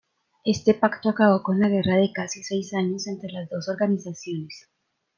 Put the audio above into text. Este pacto acabo con la guerra de casi seis años entre las dos organizaciones.